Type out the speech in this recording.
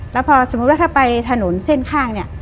แล้วพอสมมุติว่าถ้าไปถนนเส้นข้างเนี่ย